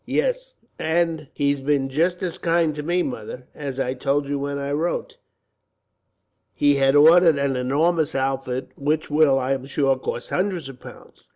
"Yes, and he's been just as kind to me, Mother. As I told you when I wrote, he had ordered an enormous outfit, which will, I am sure, cost hundreds of pounds.